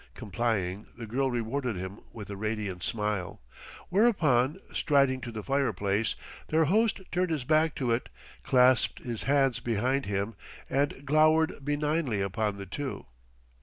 Complying, the girl rewarded him with a radiant smile. Whereupon, striding to the fireplace, their host turned his back to it, clasped his hands behind him, and glowered benignly upon the two.